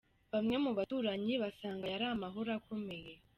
Bamwe mu baturanyi basanga aya ari amahano akomeye.